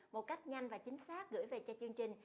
một cách nhanh và chính xác gửi về cho chương trình